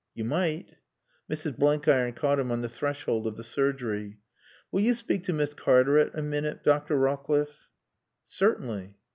"You might." Mrs. Blenkiron caught him on the threshold of the surgery. "Will you speak to Miss Cartaret a minute, Dr. Rawcliffe?" "Certainly."